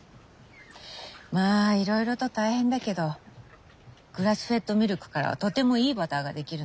まあいろいろと大変だけどグラスフェッドミルクからはとてもいいバターが出来るの。